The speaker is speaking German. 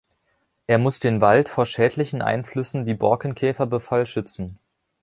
Er muss den Wald vor schädlichen Einflüssen wie Borkenkäferbefall schützen.